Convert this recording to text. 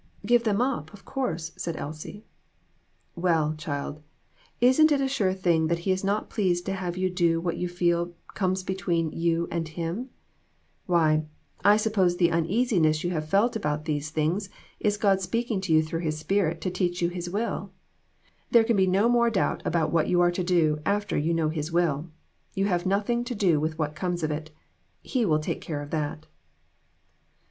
" Give them up, of course, " said Elsie. "Well, child, isn't it a sure thing that he is not pleased to have you do what you feel comes be tween you and him ? Why, I suppose the uneasi ness you have felt about these things is God speaking to you through his Spirit to teach you his will. There can be no more doubt about what you are to do after you know his will. You have nothing to do with what comes of' it. He will take care of that."